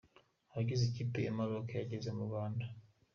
Abagize ikipe ya Maroc yageze mu Rwanda.